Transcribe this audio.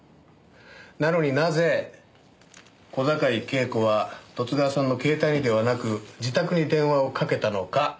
なのになぜ小坂井恵子は十津川さんの携帯にではなく自宅に電話をかけたのか？